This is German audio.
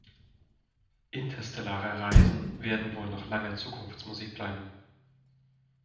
Interstellare Reisen werden wohl noch lange Zukunftsmusik bleiben.